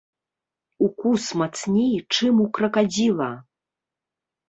Укус мацней, чым у кракадзіла.